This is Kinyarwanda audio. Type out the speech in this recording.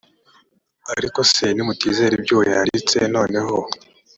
ariko se nimutizera ibyo uwo yanditse noneho